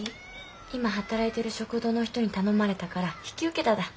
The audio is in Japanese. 今働いてる食堂の人に頼まれたから引き受けただ。